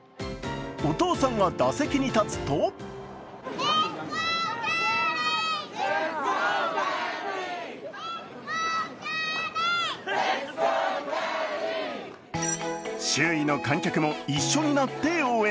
お父さんが打席に立つと周囲の観客も一緒になって応援。